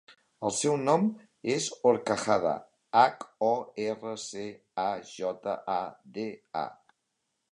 El seu cognom és Horcajada: hac, o, erra, ce, a, jota, a, de, a.